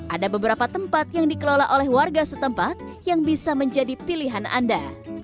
ada beberapa tempat yang dikelola oleh warga setempat yang bisa menjadi pilihan anda